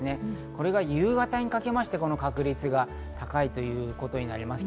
これが夕方にかけまして、この確率が高いということになります。